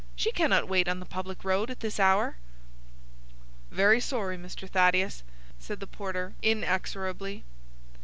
She cannot wait on the public road at this hour." "Very sorry, Mr. Thaddeus," said the porter, inexorably.